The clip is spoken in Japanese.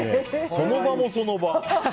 その場もその場。